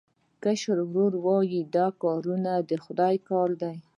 کشر ورور وویل دا کارونه د خدای دي.